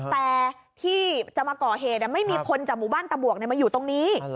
แต่ที่จะมาก่อเหตุไม่มีคนจากหมู่บ้านตะบวกมาอยู่ตรงนี้